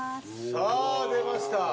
さぁ出ました。